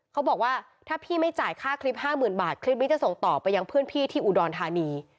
เขาบอกว่าถ้าพี่ไม่จ่ายค่าคลิป๕๐๐๐บาทคลิปนี้จะส่งต่อไปยังเพื่อนพี่ที่อุดรธานี